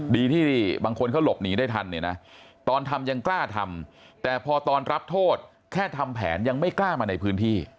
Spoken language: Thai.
ดีที่บางคนเขาหลบหนีได้ทันเนี่ยนะตอนทำยังกล้าทำแต่พอตอนรับโทษแค่ทำแผนยังไม่กล้ามาในพื้นที่